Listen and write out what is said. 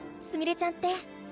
すみれちゃんて。